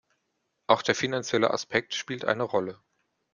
Auch der finanzielle Aspekt spielt eine Rolle.